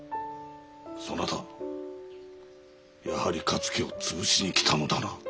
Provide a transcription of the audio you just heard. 「そなたやはり勝家を潰しに来たのだな」